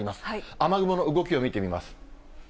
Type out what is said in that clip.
雨雲の動きも見てみます。